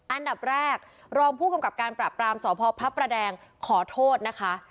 อันดับแรกรองผู้กำกับการปราบปรามสพพระประแดงขอโทษนะคะ